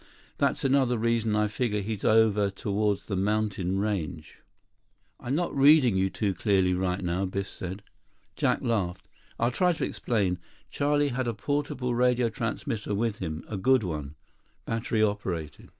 That's another reason I figure he's over toward the mountain range." "I'm not reading you too clearly right now," Biff said. Jack laughed. "I'll try to explain. Charlie had a portable radio transmitter with him. A good one, battery operated.